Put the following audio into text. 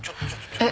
えっ？